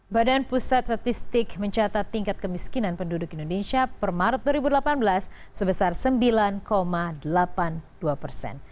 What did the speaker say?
badan pusat statistik mencatat tingkat kemiskinan penduduk indonesia per maret dua ribu delapan belas sebesar sembilan delapan puluh dua persen